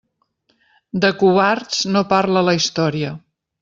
De covards no parla la Història.